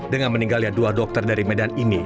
dengan meninggalnya dua dokter dari medan ini